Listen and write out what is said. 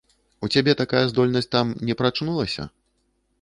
У цябе такая здольнасць там не прачнулася?